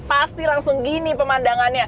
pasti langsung gini pemandangannya